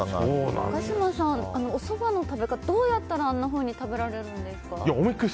高嶋さん、おそばの食べ方どうやったら、あんなふうに食べられるんですか？